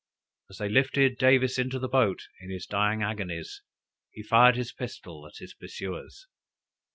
As they lifted Davis into the boat in his dying agonies he fired his pistols at his pursuers.